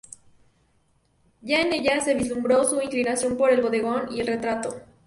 Ya en ella se vislumbró su inclinación por el bodegón y el retrato.